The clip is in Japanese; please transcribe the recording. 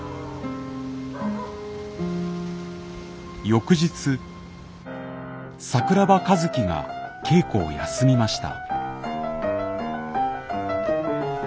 翌日桜庭和希が稽古を休みました。